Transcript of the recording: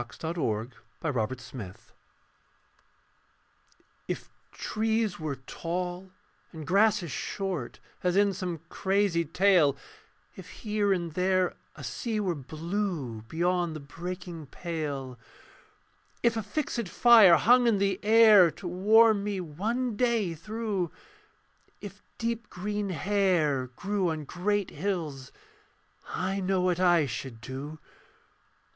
_ BY THE BABE UNBORN If trees were tall and grasses short, As in some crazy tale, If here and there a sea were blue Beyond the breaking pale, If a fixed fire hung in the air To warm me one day through, If deep green hair grew on great hills, I know what I should do.